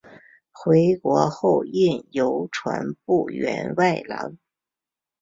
回国后任邮传部员外郎。